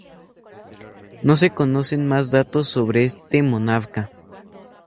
No se conocen más datos sobre este monarca.